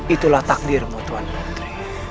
itulah takdirmu tuan putri